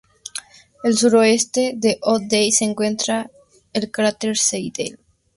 Al suroeste de O'Day se encuentra el cráter Seidel.